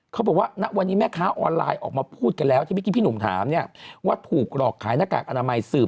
เขาบอกว่าณวันนี้แม่ค้าออนไลน์ออกมาพูดกันแล้วที่เมื่อกี้พี่หนุ่มถามเนี่ยว่าถูกหลอกขายหน้ากากอนามัยสืบ